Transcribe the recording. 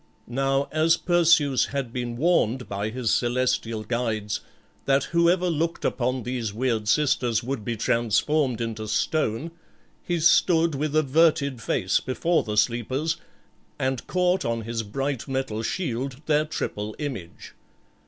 Now as Perseus had been warned by his celestial guides that whoever looked upon these weird sisters would be transformed into stone, he stood with averted face before the sleepers, and caught on his bright metal shield their triple image.